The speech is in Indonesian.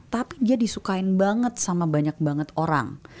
tapi dia disukain banget sama banyak banget orang